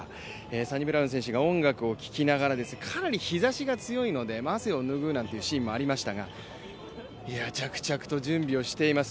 サニブラウン選手が音楽を聞きながらかなり気温が高いので汗をぬぐうなんてシーンもありましたが着々と準備をしております。